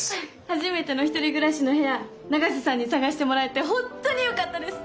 初めての１人暮らしの部屋永瀬さんに探してもらえて本当によかったです。